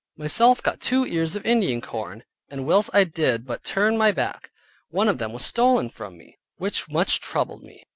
Myself got two ears of Indian corn, and whilst I did but turn my back, one of them was stolen from me, which much troubled me.